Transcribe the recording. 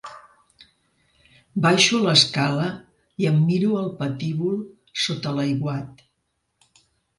Baixo de l'escala i em miro el patíbul sota l'aiguat.